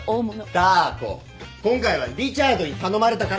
ダー子今回はリチャードに頼まれたから手伝った。